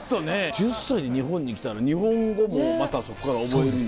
１０歳で日本に来たら日本語もまたそこから覚えるんでしょ？